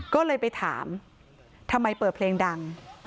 ก็เลยไปถามทำไมเปิดเพลงดัง